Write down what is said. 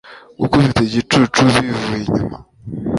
gukubita igicucu bivuye inyuma